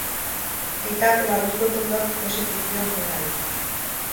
Aitak larruzko ukondokoak josi zizkion jakari.